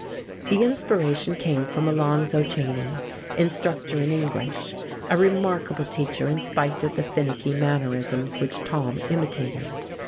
The inspiration came from Alonzo Cheyne, instructor in English; a remarkable teacher, in spite of the finicky mannerisms which Tom imitated.